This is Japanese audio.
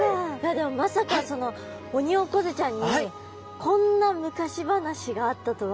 でもまさかそのオニオコゼちゃんにこんな昔話があったとは。